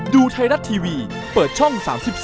ดูไทยรัฐทีวีเปิดช่อง๓๒